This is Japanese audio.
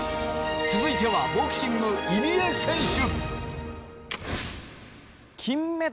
続いてはボクシング入江選手。